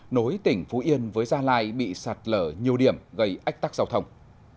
nối tỉnh phú yên với gia lai bị sạt lở nhiều điểm gây ách tắc giao thông